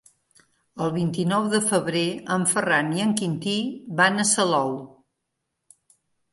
El vint-i-nou de febrer en Ferran i en Quintí van a Salou.